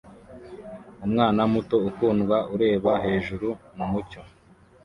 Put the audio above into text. Umwana muto ukundwa ureba hejuru mumucyo